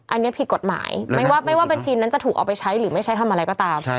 อันนี้ผิดกฎหมายไม่ว่าบัญชีนั้นจะถูกเอาไปใช้หรือไม่ใช้ทำอะไรก็ตาม